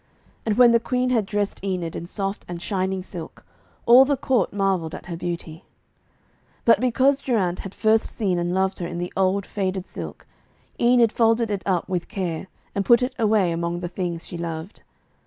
And when the Queen had dressed Enid in soft and shining silk, all the court marvelled at her beauty. But because Geraint had first seen and loved her in the old faded silk, Enid folded it up with care and put it away among the things she loved.